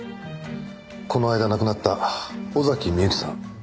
この間亡くなった尾崎美由紀さん